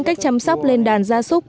cách chăm sóc lên đàn gia súc